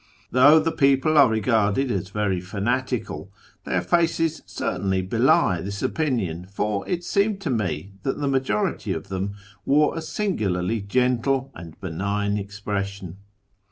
Though the people are regarded as very fanatical, their faces certainly belie this opinion, for it seemed to me that the majority of them wore a singularly gentle and benign expression.